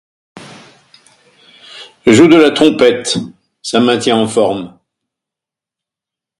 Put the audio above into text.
Joue de la trompette, ça maintient en forme